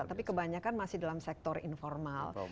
tapi kebanyakan masih dalam sektor informal